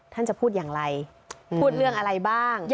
ท่านจะพูดอย่างไรพูดเรื่องอะไรบ้าง